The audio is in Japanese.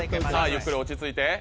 ゆっくり落ち着いて。